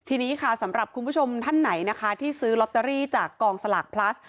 ทีนี้ค่ะสำหรับคุณผู้ชมท่านไหนนะคะที่ซื้อลอตเตอรี่จากกองสลากพลัส